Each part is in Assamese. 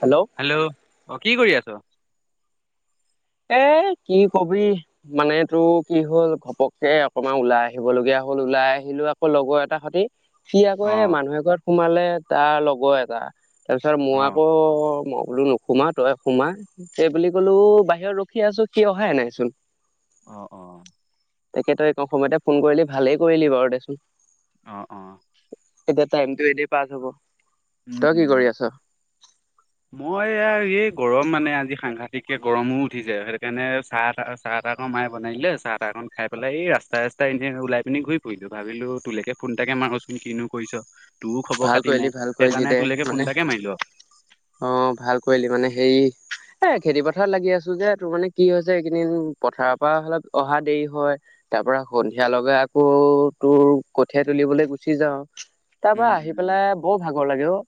হেল্ল', হেল্ল', অ কি কৰি আছ? এ কি কবি, মানে টো কি হ'ল ঘপককে অকণমান ওলাই আহিব লগীয়া হ'ল, ওলাই আহিলোঁ আকৌ লগৰ এটাৰ সতি, সি আকৌ এ অ', মানুহ এঘৰত সোমালে তাৰ লগৰ এটা। তাৰপিছত মই অ', আকৌ মই বোলোঁ নোসোমাও তই সোমা সেই বুলি কলো বাহিৰ- ত ৰখি আছোঁ, সি অহাই নাই চোন। অ অ। তাকে তই কম সময়তে ফোন কৰিলি ভালেই কৰিলি বাৰু দেচোন। অঁ অঁ। এতিয়া টাইমটো এনেআ পাছ হ'ব। উম, তই কি কৰি উম। আছ? মই ই এই গৰম মানে আজি সাংঘাতিককে গৰমো উঠিছে, সেইটোকাৰণে চাহ তাহ- চাহ তাহ অকমান মাই বনাইদিলে, চাহ তাহ অকন খাইপেলাই এই ৰাস্তাই ৰাস্তাই এনে ওলাই পিনি ঘূৰি ফুৰিছোঁ, ভাবিলো তোলেকে ফো- ফোনটাকে মাৰোচোন কিনো কৰিছ, তোৰো খবৰ ভাল খাতি কৰিলি নাই, ভাল কৰিলি সেইকাৰণে দে তোলৈকে ফোন মানে এটাকে মাৰিলো আও। অ ভাল কৰিলি, মানে হেৰি- এ খেতি পথাৰত লাগি আছো যে, সেইতোৰ মানে কি হৈছে এইকেইদিন পথাৰৰ পৰা অলপ অহা দেৰি হয়। তাৰপৰা সন্ধিয়া লগে আকৌ তোৰ কঠিয়াই তুলিবলে গুচি যাওঁ। তাৰপৰা উম, আহি উম। পেলাই বৰ ভাগৰ লাগে অ।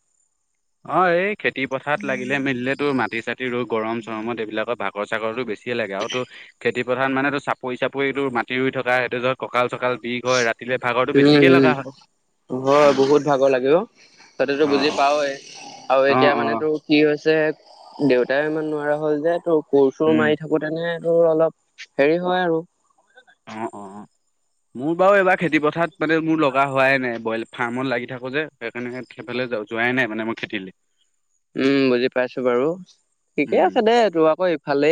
অ এই খেতি পথাৰত লাগিলে মেলিলে তোৰ মাটি চাতিৰ গৰম চৰমত এইবিলাকৰ ভাগৰ চাগৰটো বেছি- য়ে লাগে, আৰু তোৰ খেতি পথাৰ মানে টো চাপৰি চাপৰিটো মাটি ৰুই থকা, সেইটো ধৰ কঁকাল চকাল বিষ হয়, ৰাতি- লে ভাগৰটো উম বেছিকে লগা হয়। হয় বহুত ভাগৰ লাগে অ, তহতেতো অ বুজি পাওৱেই। আৰু অ এতিয়া মানে তোৰ কি হৈছে, দেউতাই ইমান নোৱাৰা হল যে তোৰ কোৰ চোৰ উম মাৰি থাক- আকৌ তেনে অলপ হেৰি হয় আৰু। অ অ অ, মোৰ বাৰু এইবাৰ খেতি পথাৰ মানে মোৰ লগা- হোৱাই নাই। বইল ফাৰ্মত লাগি থাকো যে, সেইকাৰণে সেইফালে যোৱাই নাই মানে মই খেতিলে। উম বুজি পাইছোঁ বাৰু। ঠিকে উম আছে দেই তোৰ আকৌ - এইফালে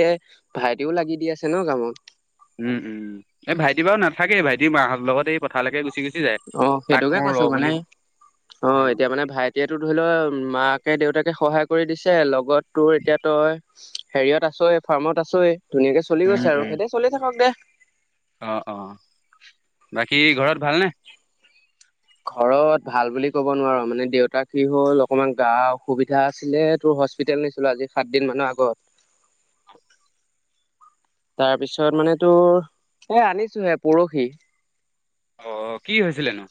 ভাইটিও লাগি দি আছে ন কামত। উম উম, এই ভাইটি বাৰু নাথাকেই ভাইটি মাহঁত লগত এই, পথালৈকে গুচি গুচি যায়, অ তাক সেইটোকে কওঁ ৰ কৈছো বুলি উম। এতিয়াতো ধৰি লওঁ মাকে দেউতাকে সহায় কৰি দিছে, লগত তোৰ এতিয়া তই হেৰিয়ত আছই ফাৰ্মত আছই, ধুনীয়াকে চলি উম গৈছে আৰু উম সেইতে চলি থাকক দে। অ অ। বাকী ঘৰত ভালনে? ঘৰত ভাল বুলি ক'ব নোৱাৰ, মানে দেউতা কি হ'ল অকণমান গা অসুবিধা আছিলে তো হস্পি- তেতিয়া নিছিলোঁ‌ আজি সাতদিন মানৰ আগত। [unintelligible] তাৰপিছত মানে তোৰ, এ আনিছোঁ‌ হে পৰহি। অ', কি হৈছিলেনোঁ‌?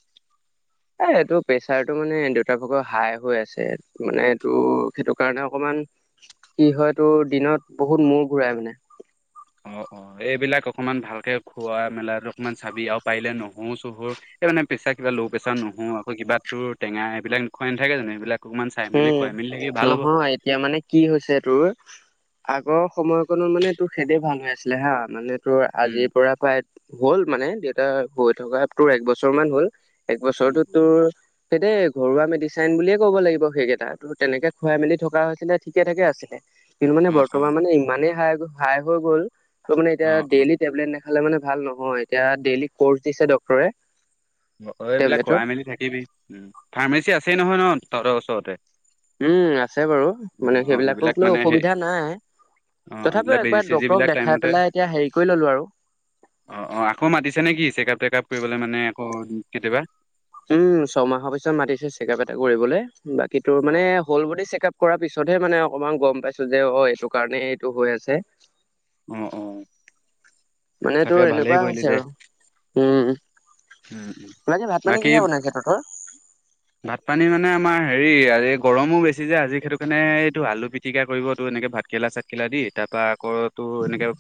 এই এইটো প্ৰেচাৰটো মানে দেউতা ভাগৰ হাই হৈ আছে, মানে তোৰ সেইটো কাৰণে অকমান কি হয় তোৰ, দিনত বহুত মূৰ ঘূৰাই মানে। অ', অ', এইবিলাক অকণমান ভালকে খোৱা মেলাত অকণমান চাবি, আৰু পাৰিলে নহৰো চহৰো এই মানে প্ৰেছাৰ কিবা ল' প্ৰেছাৰ নহৰো, আকৌ কিবা তোৰ টেঙা এইবিলাক খোৱাই নাথাকে জানো? এইবিলাক অকণমান চাই মেলি খুৱাই মেলি থাকিবি ভাল হ'ব। হয়, এতিয়া মানে কি হৈছে তোৰ, আগৰ সময়কণত মানে তোৰ সেইদে ভাল হৈ আছিলে হা মানে তোৰ উম আজিৰ পৰা প্ৰায় হ'ল মানে দেউতা হৈ থকা তোৰ এক বছৰ মান হ'ল। এক বছৰটো তোৰ, সেই দেই ঘৰুৱা আমি ডিচাইন বুলিয়ে ক'ব লাগিব। সেইকেইটা, তোৰ তেনেকে খুৱাই মেলি থকা হৈছিলে ঠিকে থাকে আছিলে। কিন্তু মানে অ অ বৰ্তমান মানে ইমানেই হাই হাই হৈ গ'ল ত' মানে অ এতিয়া অ ডেইলি টেবলেট না খালে মানে ভাল নহয় এতিয়া ডেইলি কৰ্চ দিছে ডক্তৰে। অ', এইবিলাক টেবলেটৰ কৰাই মেলি থাকিবি, ফাৰ্মাচী আছেই নহয় ন তহতঁ‌ৰ ওচৰতে। উম আছে বাৰু, অ মানে অ সেইবিলাকক এইবিলাক লৈ মানে সেই অসুবিধা নাই। অ এইবিলাক তথাপিও বেজি একবাৰ চেজি ডক্তৰক বিলাক দেখাই পেলাই এতিয়া হেৰি কৰি ললোঁ‌ আৰু। অ'-অ' আকৌ মাতিছে নে কি চেকাপ তেকাপ কৰিবলৈ মানে আকৌ কেতিয়াবা? উম, ছয়মাহৰ পিছত মাতিছে চেকাপ এটা কৰিবলে, বাকী তোৰ অ মানে অ হল ব'ডি চেকাপ। কৰা পিছতহে মানে অকমান গম পাইছোঁ‌ যে হয় এইটো কাৰণে এইটো হৈ আছে। অ'-অ'। মানে তোৰ এনেকুৱা হৈছে দে আৰু, উম, উম উম মানে ভাত-পানী বাকী কিহে বনাইছা? তাৰপা? ভাত পানী মানে আমাৰ হেৰি এই গৰমো বেছি যে আজি সেইটো কাৰণে এইটো আলু পিটিকা কৰিবটো এনেকে ভাত ভাতকেলা চাটকেলা দি তাৰপৰা আকৌ তোৰ এনেকে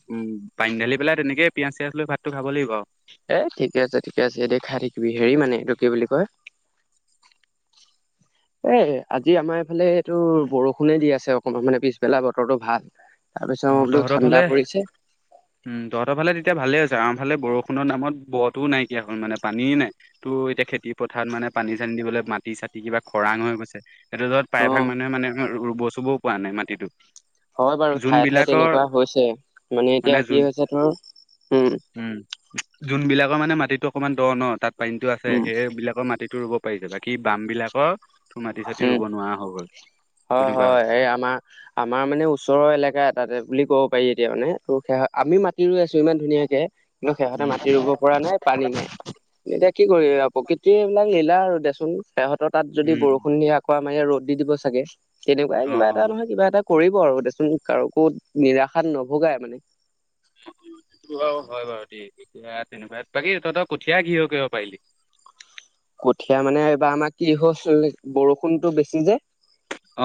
পানী ঢালি পেলাই তেনেকে পিঁয়াজ চিয়াজ লৈ ভাতটো খাব লাগিব আৰু। এ ঠিকে আছে, ঠিকে আছে এ দে খাই থাকিবি, হেৰি মানে এইটো কি বুলি কয় [unintelligible] এ আজি আমাৰ এইফালে এইটো বৰষুণে দি আছে অকণমান মানে পিছবেলা বতৰতো ভাল। [inaudible] তাৰপিছত মই বোলো তহঁতৰ ফালে ঠাণ্ডা পৰিছে। উম, তহতঁ‌ৰ ফালে তেতিয়া ভালেই হৈছে, আমফালে বৰষুণৰ নামত ব-টোও নাইকিয়া হ'ল, মানে পানীয়েই নাই। তো এতিয়া খেতি পথাৰত মানে পানী-চানী দিবলৈ মাটি-চাটি কিবা খৰাং হৈ গৈছে। এতিয়া ধৰ অ প্ৰায়ভাগ মানুহে মানে ৰুব চুবও পোৱা নাই মাটিটো। হয় বাৰু ঠায়ে ঠায়ে যোনবিলাকৰ তেনেকোৱা হৈছে, মানে এতিয়া কি হৈছে ধৰ, উম। উম, যোনবিলাকৰ মানে মাটিতো অকণমান দ ন তাত পানীটো আছে, উম সেইবলাকৰ মাটিত টো ৰুব পাৰিছে, বাকি বাম বিলাকৰ তো মাটি চাটি উম ৰুব নোৱাৰা হৈ গ'ল, তেনেকুৱা হৈছে। এতিয়া আমা আমাৰ মানে ওচৰৰ এলেকা এটাতে বুলি ক'ব পাৰি এতিয়া মানে, ত' সেয়া আমি মাতি ৰুই আছো ইমান ধুনীয়াকে কিন্তু সেহতে মাটি ৰুব পৰা নাই, পানী নাই। এতিয়া কি কৰিবি আৰু প্ৰকৃতি এইবিলাক লীলা আৰু দেচোন, সেহঁতৰ তাত যদি উম বৰষুণ আকৌ আমাৰ ইয়াত ৰ'দ দি দিব চাগে, তেনেকুৱাই অ কিবা অ এটা নহয় কিবা এটা কৰিব আৰু দেচোন কাৰো নিৰাশাত নুভোগাই মানে। অ', সেইটো বাৰু হয় বাৰু দেই এতিয়া তেনেকুৱা, বাকী তহঁতৰ কঠিয়া কিহৰ কিহৰ পাৰিলি? কঠীয়া মানে এইবাৰ আমাৰ কি হ'ল বৰষুণটো বেছি যে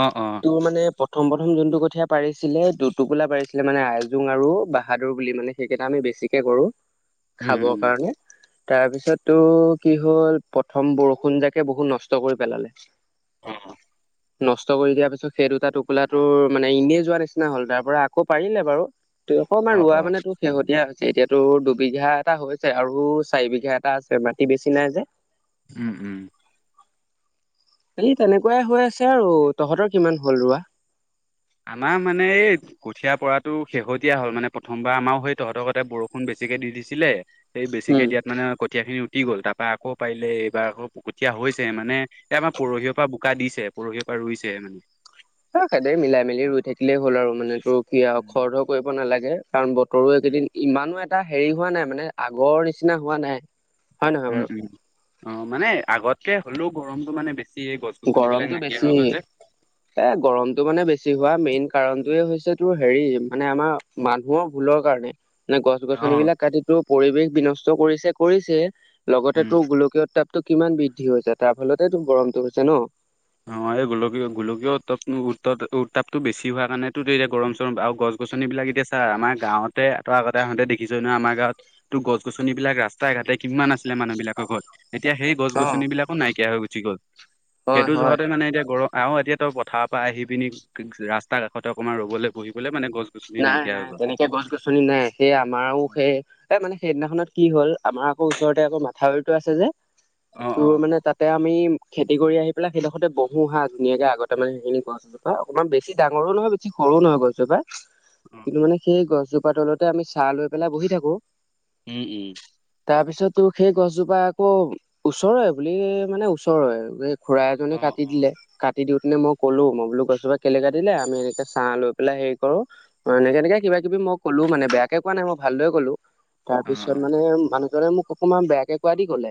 অ' অ' তোৰ মানে প্ৰথম প্ৰথম যোনটো কঠিয়া পাৰিছিলে দুটোকোলা পাৰিছিলে মানে আইজোং আৰু বাহাদুৰ বুলি মানে সেইকেইটা আমি বেছিকৈ কৰোঁ। [inaudible] খাবৰ উম কাৰণে। তাৰপিছ তোৰ কি হ'ল প্ৰথম বৰষুণ যাকে বহুত নষ্ট কৰি পেলালে। অহ' নষ্ট কৰি দিয়াৰ পিছত সেই দুটা টোপোলা টোৰ মানে এনেই যোৱা নিচিনা হ'ল তাৰ পৰা আকৌ পাৰিলে বাৰু। তোৰ অকমান অ ৰোৱা অ মানে তোৰ শেহতীয়া হৈছে। এতিয়াতো দুবিঘা এটা হৈছে আৰু চাৰি বিঘা এটা আছে মাটি বেছি নাই যে উম, উম। সেই তেনেকুৱাই হৈ আছে আৰু তহঁতৰ কিমান হ'ল ৰোৱা? আমাৰ মানে এই কঠীয়া পৰাটো শেহতীয়া হ'ল মানে প্ৰথমবাৰ আমাও সেই তহঁতৰ কতে বৰষুণ বেছিকে দি দিছিলে। সেই উম বেছিকে দিয়াত মানে কঠীয়া খিনি দি গ'ল তাৰ পৰা আকৌ পাৰিলে। এইবাৰ আকৌ কঠীয়া হৈছে মানে এই আমাৰ পৰহি পৰা বোকা দিছে। পৰহি পৰা ৰুইছে উম। এই খেদাই মিলাই মেলি ৰুই থাকিলেই হ'ল আৰু মানে তোৰ কি উম খৰ ধৰ কৰিব নালাগে। কাৰণ বতৰো উম এইকেইদিন ইমানো এটা হেৰি হোৱা নাই মানে আগৰ নিচিনা হোৱা নাই। হয় নহয় উম, বাৰু উম, অ' মানে আগতকে হ'লেও গৰমতটো মানে বেছি। এই গছ গছনি বিলাক নাইকিয়া হৈ বেছি গ'ল যে। এই গৰমতটো মানে বেছি হোৱা মেইন কাৰণটোয়ে হৈছে তোৰ হেৰি মানে আমাৰ মানুহৰ ভূলৰ কাৰণে। এনে গছ অ গছনিবিলাক কাটিটো পৰিৱেশ বিনষ্ট কৰিছে কৰিছে। উম লগতে তোৰ গোলকীয় তাপটো কিমান বৃদ্ধি হৈছে? তাৰ ফলতে তোৰ গৰমটো হৈছে ন। অ' এই গোলকীয় গোলকীয় উত্তাপ উত উত্তাপটো বেছি হোৱা কাৰণেত এতিয়া গৰম চৰম আৰু গছ গছ গছনি বিলাক এতিয়া চা আমাৰ গাঁৱতে এটা আগতে আহোঁতে দেখিছই ন আমাৰ গাঁৱত তোৰ গছ গছনি বিলাক ৰাস্ত ৰাস্তাই ঘাটে কিমান আছিলে মানুহবিলাকৰ ঘৰত। এতিয়া সেই গছ অ গছনি বিলাকো নাইকিয়া হৈ গুছি গ'ল। হয় এইটো হয়। যহৰতে মানে এতিয়া গৰম আহ এতিয়া তই পথাৰৰ পৰা আহি পিনি ৰাস্তাৰ কাষতে অকণমান ৰ'বলৈ বহিবলৈ মানে গছ গছনি নাই নাইকিয়া হৈ নাই গ'ল। তেনেকে গছ গছনি নাই সেই আমাৰো সেই এই মানে সেইদিনাখনত কি হ'ল আমাৰ আকৌ ওচৰতে আকৌ মথাউৰিতটো আছে যে। অ' তোৰ অ', মানে তাতে আমি খেতি কৰি আহি পেলাই সেইডোখৰতে বহো হা ধুনীয়াকে আগতে মানে হেইখিনি গছ অ' অকণমান বেছি ডাঙৰো নহয়, বেছি সৰু নহয় গছ জোপা। অ', কিন্তু মানে সেই গছজোপাৰ তলতে আমি চাৰহ লৈ পেলাই বহি থাকোঁ। উম, উম। তাৰ পিছত তোৰ সেই গছজোপা আকৌ ওচৰৰে বুলি মানে ওচৰৰে। খুৰা এজনে অ', কাটি অ', দিলে। কাট কাটি দিওঁতেনে মই কলোঁ, মই বোলোঁ গজোপা কেলে কাতি দিলে, আমি এনেকৈ ছাৰহ লৈ পেলাই সেই ক, এনেকে এনেকে কিবা কিবি মই কলোঁ মানে বেয়াকে কোৱা নাই মই ভালকে কলোঁ তাৰ পিছত মানে মানুহজনে মোক অকমান বেয়াকে কোৱা দি ক'লে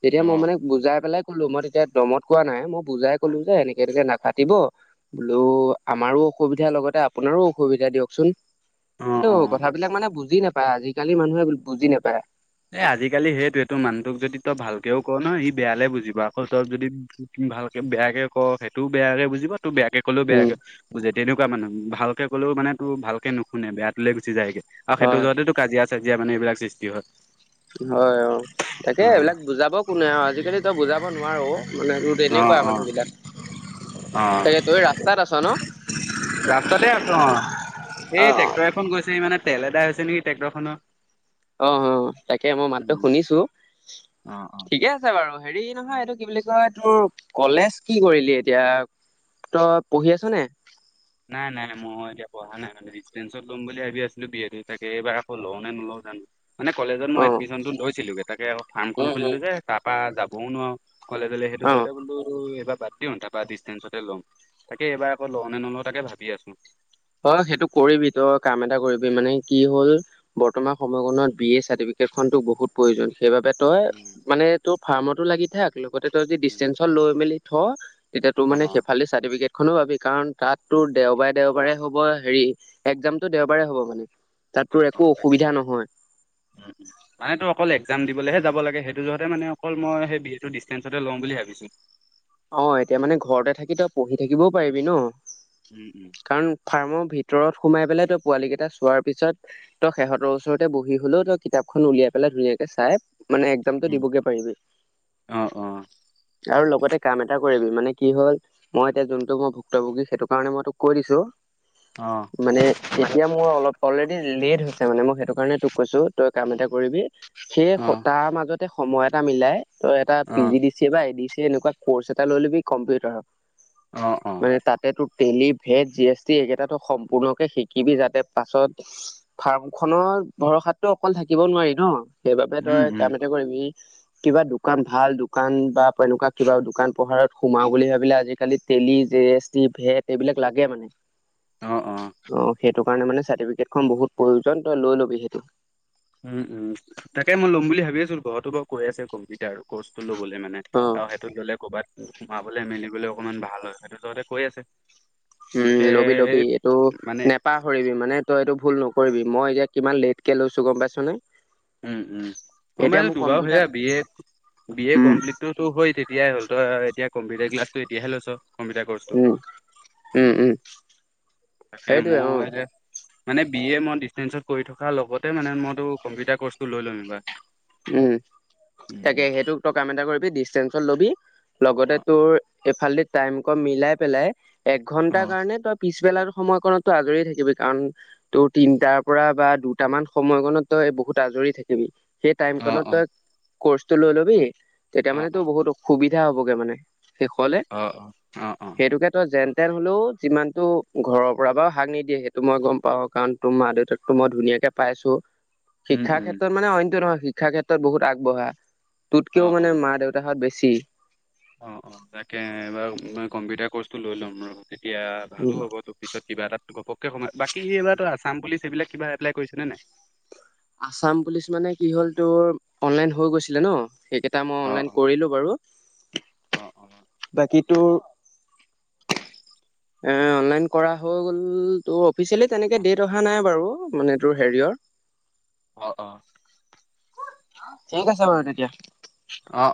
তেতিয়া মই অ', মানে বুজাই পেলাই কলোঁ মই তেতিয়া দমত কোৱা নাই। মই বুজাই কলোঁ যে এনেকে তেতিয়া নাকাতিব। বোলো, আমাৰো অসুবিধা লগতে আপোনাৰো অসুবিধা দিয়কচোন, অ', কিন্তু অ', অ'। কথাবিলাক মানে বুজি নাপ পাই আজিকালি মানুহে বুজি নাপায়। এ আজিকালি সেইটোৱেটো, মানুহটোক যদি তই ভালকেও কওঁ নহই সি বেয়ালে বুজিবা আকৌ সব যদি ভালকে, বেয়াকে কওক সেইটোও বেয়াকে বুজিব ত বেয়াকে ক'লেও উম বেয়াকে বুজে তেনেকুৱা মানুহ ভালকে ক'লেও মানে তোৰ ভালকে নুশুনে বেয়াতোলৈ গুচি যায়গে। আৰু সেইটো হয় যতেটো কাজিয়া কাজিয়া মানে এইবিলাক সৃষ্টি হয়। হয় অ'। তাকে অ এইবিলাক বুজাব কোনে আৰু আজিকালি তই বুজাব নোৱাৰ', মানে তোৰ অ তেনেকুৱা মানুহ বিলাক। [unintelligible] অ', সেয়া তই ৰাস্তাত আছ ন? [unintelligible] অ সেই ট্ৰেক্টৰ এখন গৈছে সেই মানে তেল এদাই হৈছে নেকি ট্ৰেক্টৰ খনৰ। অ', অ', তাকে মই মাতটো উম শুনিছো, অ অ ঠিকে আছে। বাৰু হেৰি নহয় এইটো কি বুলি কয় তোৰ কলেজ কি কৰিলি এতিয়া? তই পঢ়ি আছনে? নাই নাই মই এতিয়া পঢ়া নাই মানে। দিষ্টেন্সত ল'ম বুলি ভাবি আছিলো বি এ টো তাকে, এইবাৰ আকৌ লওঁ নে নোলও জানো? মানে কলেজত মই অ এডমিচনটো লৈছিলোগে, তাকে ফাৰ্ম খন উম উম খুলিলো যে তাৰ পৰা যাবও নোৱাৰো। কলেজলে সেইটো অ জহতে বোলো এইবাৰ বাদ দিওঁ, তাপা দিষ্টেন্সতে লম তাকে এইবাৰ আকৌ লওঁ নে নলও তাকে ভাবি আছোঁ। তই সেইটো কৰিবি, তই কাম এটা কৰিবি মানে কি হল বৰ্তমান সময়কনত বি এ চাৰ্টিফিকেট খন তোক বহুত প্ৰয়োজন। সেইবাবে তই মানে তোৰ ফাৰ্মতো লাগি থাক, লগতে তই যদি দিষ্টেঞ্চত লৈ মেলি থ তেতিয়া তোৰ অ' মানে অ' সেইফালে চাৰ্টিফিকেট খনো পাবি, কাৰণ তাত তোৰ দেওবাৰে দেওবাৰে হওক হ হেৰি, একজামতটো দেওবাৰে হ'ব মানে তাত তোৰ একো তাকে অসুবিধা নহয়। উম। মানে তোৰ অকল একজাম দিবলেহে যাব লাগে, সেইটো জহতে মানে অকল মই সেই বি এ টো দিষ্টেঞ্চতে লওঁ বুলি ভাবিছো। অ', এতিয়া মানে ঘৰতে থাকি তই পঢ়ি থাকিবও পাৰিবি ন। উম উম। কাৰণ ফাৰ্মৰ ভিতৰত সোমাই পেলাই তই পোৱালীকেইটা চোৱাৰ পিছত তই সেহঁতৰ ওচৰতে বহি হলেও তই কিতাপখন উলিয়াই পেলাই ধুনীয়াকে চাই মানে একজামটো উম দিবগে পাৰিবি অ', অ', আৰু লগতে কাম এটা কৰিবি মানে কি হ'ল মই এতিয়া যোনটো মোৰ ভুক্তভোগী সেইটো কাৰণে মই তোক কৈ দিছো অ', মানে এতিয়া মোৰ অলপ অলৰেডি লেট হৈছে মানে মই সেইটো কাৰণে তোক কৈছো, তই কাম এটা কৰিবি সেই অ', তাৰ মাজত সময় এটা মিলাই তই এটা P O, G D C A বা এ ডি চি এ এনেকুৱা ক'ৰ্চ এটা লৈ লবি কম্পিউটাৰৰ। অ', অ'। মানে তাতে তোৰ তেলি, ভেদ, জি এছ টি এইকেইটাটো সম্পূৰ্ণকে শিকিবি যাতে পাছত ফাৰ্ম খনৰ ভৰসাতটো অকল থাকিব নোৱাৰি ন। সেইবাবে উম, তই উম, কাম এটা কৰিবি কিবা দোকান ভাল দোকান বা এনেকুৱা কিবা দোকান পোহাৰত সোমাও বুলি ভাবিলে আজিকালি Tally, G S T, VAT এইবিলাক লাগে মানে। অ', অ'। ত', সেইটো কাৰণে মানে চাৰ্টিফিকেট খন বহুত প্ৰয়োজন তই লৈ ল'বি সেইটো। উম উম, তাকে মই ল'ম বুলি ভাবি আছো, ঘৰতো বাৰু কৈ আছে কম্পিউটাৰ কৰ্চটো লবলে মানে অ আৰু সেই ললে ক'ৰবাত সোমাবলৈ মেলিবলৈ অকনমান ভাল হয়, সেইটো জহতে কৈ আছে। উম' তাকে লবি এই লবি এইটো মানে নেপাহৰিবি মানে তই এইটো ভুল নকৰিবি মই এতিয়া কিমান লেটকে লৈছোঁ গ'ম পাইছ নে। উম' উম' মই এতিয়া মানে মোৰ দুবাৰ কম্পিউটাৰ সেয়া বিয়ে বি এ উম কমপ্লিট তোৰটো হই তেতিয়াই হ'ল, তই এতিয়া কম্পিউটাৰ ক্লাছটো এতিয়াহে লৈছ। কম্পিউটাৰ কৰ্চটো উম উম' তাকে সেইটোৱে অ মই এতিয়া মানে বি এ মই ডিচটেঞ্চত কৰি থকাৰ লগতে মানে মইতো কম্পিউটাৰ কৰ্চটো লৈ ল'ম এইবাৰ। উম' উম তাকে উম। সেইটোক তই কাম এটা কৰিবি ডিচটেঞ্চত লবি। লগতে অ', তোৰ এফালেদি টাইম অকন মিলাই পেলাই এক ঘন্টাৰ অ', কাৰণে তই পিছবেলা সময়কণতটো আজৰিয়ে থাকিবি কাৰণ তই তিনটাৰ পৰা বা দুটামান সময়কণত তই বহুত আজৰি থাকিবি। সেই অ', টাইমকনত অ', তই কৰ্চটো লৈ ল'বি, তেতিয়া অ', মানে তোৰ বহুত সুবিধা হ'বগৈ মানে। শেষলৈ, অ', অ', অ', অ', সেইটোকে তই যেন তোক হ'লেও যিমানটো ঘৰৰ পৰা বা হাক নিদিয়ে সেইটো মই গম পাওঁ। কাৰণ তোৰ মা দেউতাকটো মই ধুনীয়াকে পাইছোঁ উম, শিক্ষাৰ উম, ক্ষেত্ৰত মানে অইনতটো নহয়। শিক্ষাৰ ক্ষেত্ৰত বহুত আগবঢ়া তোতকেও অ', অ'। মানে মা দেউতা তাত বেছি। অ' অ' তাকে এবাৰ কম্পিউটাৰ কৰ্চটো লৈ ল'ম ৰহ তেতিয়া উম ভালো হ'ব পিছত। কিবা এটাত ঘপককে সোমায়, বাকী এইবাৰ তই আসাম পুলিচ এইবিলাক কিবা এপ্লাই কৰিছনে নাই? আছাম পুলিচ মানে কি হ'ল তোৰ অনলাইন হৈ গৈছিলে ন, সেইকেইটা মই অ অনলাইন অ কৰিলোঁ বাৰু। অ বাকী তোৰ এ অনলাইন কৰা হৈ গ'ল ত' অফিচিয়েলি তেনেকে ডেট অহা নাই বাৰু মানে তোৰ হেৰিয়ৰ। অ' অ ঠিক আছে বাৰু তেতিয়া। অ' অ'